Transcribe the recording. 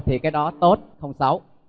thì cái đó tốt không xấu